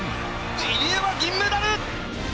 入江は銀メダル！